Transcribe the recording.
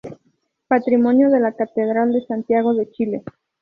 Patrimonio de la Catedral de Santiago de Chile.